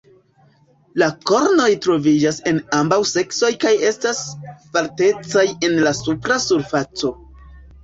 La kornoj troviĝas en ambaŭ seksoj kaj estas faltecaj en la supra surfaco.